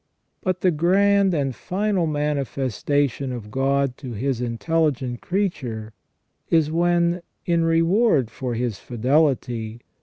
But the grand and final manifes tation of God to His intelligent creature is when, in reward for his fidelity.